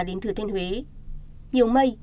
đến thừa thênh huế nhiều mây